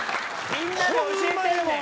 みんなで教えてるねん。